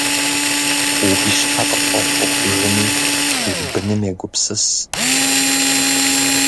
Уи щхьэ къыпфӀэмыӀуэхужми, уи быным егупсыс.